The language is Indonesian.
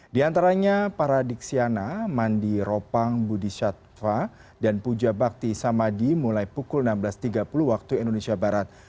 di antaranya paradiksiana mandi ropang budhisattva dan puja bakti samadhi mulai pukul enam belas tiga puluh waktu indonesia barat